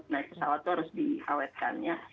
naik pesawat itu harus diawetkannya